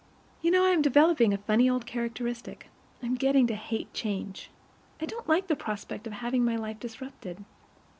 You know I am developing a funny old characteristic; I am getting to hate change. I don't like the prospect of having my life disrupted.